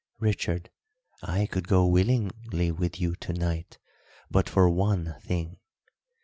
"Richard, I could go willingly with you to night but for one thing.